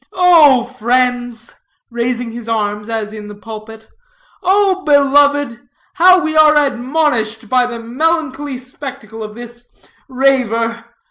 Oh, friends," raising his arms as in the pulpit, "oh beloved, how are we admonished by the melancholy spectacle of this raver.